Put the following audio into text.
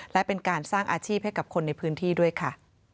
และเป็นการสร้างอาชีพให้กับคนในพื้นที่ด้วยค่ะ